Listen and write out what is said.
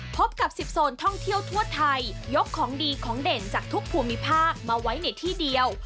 พบกับ๑๐โซนท่องเที่ยวทั่วไทยยกของดีของเด่นจากทุกภูมิภาคมาไว้ในที่เดียว